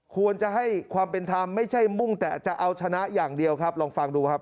ควรจะให้ความเป็นธรรมไม่ใช่มุ่งแต่จะเอาชนะอย่างเดียวครับลองฟังดูครับ